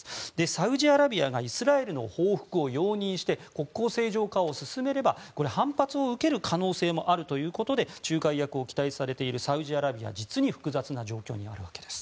サウジアラビアがイスラエルの報復を容認して国交正常化を進めればこれ、反発を受ける可能性もあるということで仲介役を期待されているサウジアラビア実に複雑な状況にあるわけです。